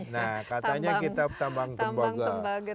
nah katanya kita tambang tembaga terbesar